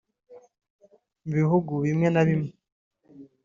Mu bihugu bimwe na bimwe